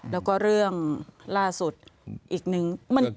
แล้วก็เรื่องล่าสุดอีกหนึ่ง